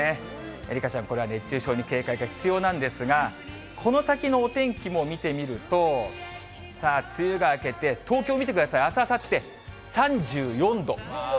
愛花ちゃん、これは熱中症に警戒が必要なんですが、この先のお天気も見てみると、さあ、梅雨が明けて、東京見てください、あす、あさって３４度。